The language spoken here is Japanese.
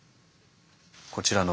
こちらの。